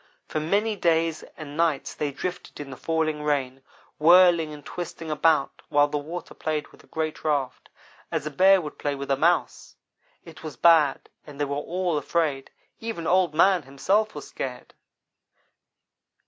For many days and nights they drifted in the falling rain; whirling and twisting about while the water played with the great raft, as a Bear would play with a Mouse. It was bad, and they were all afraid even Old man himself was scared.